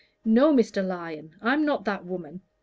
"No, Mr. Lyon, I'm not that woman.